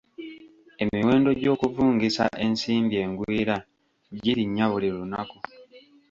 Emiwendo gy'okuvungisa ensimbi engwira girinnya buli lunaku.